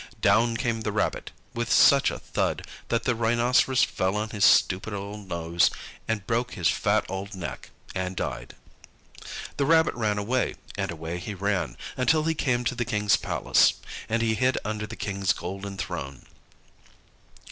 Down came the Rabbit, with such a thud, that the Rhinoceros fell on his stupid old nose, and broke his fat old neck, and died. The Rabbit ran away, and away he ran, until he came to the King's palace; and he hid under the King's golden throne.